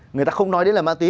người ta không nói đây là ma túy